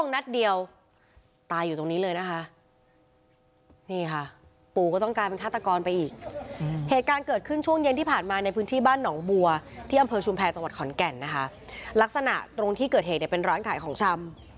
เหตุการณ์เกิดขึ้นช่วงเย็นที่ผ่านมาในพื้นที่บ้านหนองบัวที่อำเภอชุมแพรจังหวัดขอนแก่นนะคะลักษณะตรงที่เกิดเหตุเนี่ยเป็นร้านขายของชำ